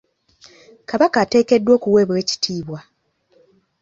Kabaka ateekeddwa okuweebwa ekitiibwa.